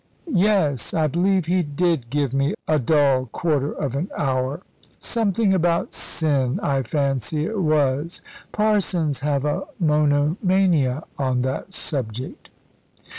Yes! I believe he did give me a dull quarter of an hour. Something about sin, I fancy it was. Parsons have a monomania on that subject."